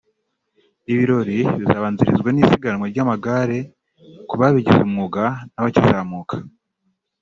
Ibirori bizabanzirizwa n’isiganwa ry’amagare ku babigize umwuga n’abakizamuka